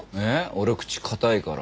俺口堅いから。